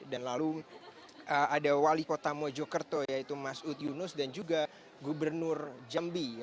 dan lalu ada wali kota mojokerto yaitu mas ud yunus dan juga gubernur jambi